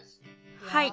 はい。